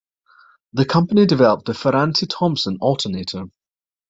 The company developed the Ferranti-Thompson Alternator.